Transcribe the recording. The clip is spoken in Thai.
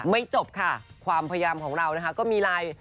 ไม่จบค่ะความพยายามของเราก็มีลาย